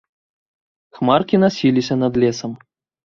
Хмаркі насіліся над лесам.